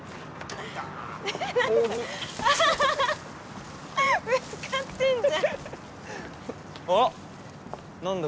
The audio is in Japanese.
扇アハハハぶつかってんじゃんあっ何だ？